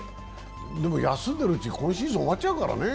でも休んでるうちに今シーズン終わっちゃうからね。